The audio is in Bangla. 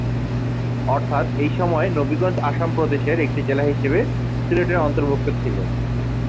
অর্থাৎ এই সময়ে নবীগঞ্জ আসাম প্রদেশের একটি জেলা হিসেবে সিলেটের অন্তর্ভুক্ত ছিল।